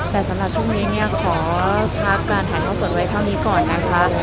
แต่สำหรับช่วงนี้เนี่ยขอพักการถ่ายทอดสดไว้เท่านี้ก่อนนะคะ